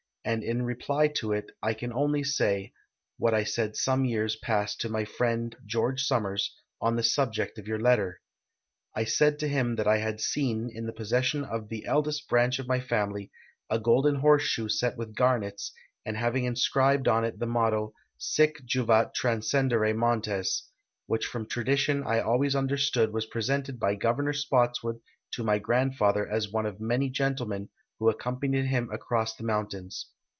and in reply to it I can only say, what I said some years past to my friend, George Summers, on the subject of }'Our letter. I said to him that I had seen, in the j)Osse.ssion of the eldest hrancli of my family, a golden horseshoe set with garnets, and having inscribed on it the motto, 'Sic jurat transcen dere monte.s,' which from tradition I always understood was presented by Governor Spottswood to my grandfather as one of many gentlemen who accompanied him across the mountains.